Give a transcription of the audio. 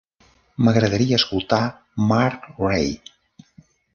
M'agradaria escoltar Mark Rae.